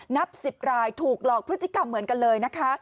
นับ๑๐รายถูกหลอกพฤติกรรมเหมือนกันเลยนะคะ